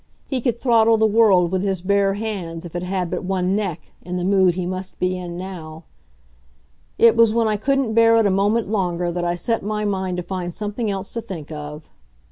He could throttle the world with his bare hands, if it had but one neck, in the mood he must be in now. It was when I couldn't bear it a moment longer that I set my mind to find something else to think of.